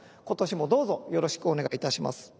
今年もどうぞよろしくお願いいたします。